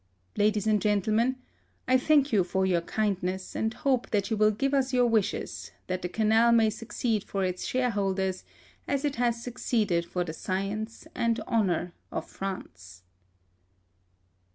Ladies and Gentlemen, I thank you for your kindness, and hope that you will give us your wishes that the Canal may succeed for its shareholders as it has succeeded for the science and honour of France.